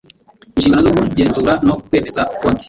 inshingano zo kugenzura no kwemeza konti